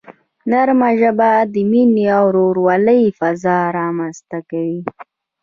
نرمه ژبه د مینې او ورورولۍ فضا رامنځته کوي.